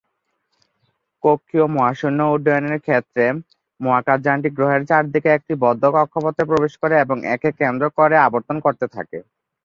কক্ষীয় মহাশূন্য উড্ডয়নের ক্ষেত্রে মহাকাশযানটি গ্রহের চারদিকে একটি বদ্ধ কক্ষপথে প্রবেশ করে এবং একে কেন্দ্র করে আবর্তন করতে থাকে।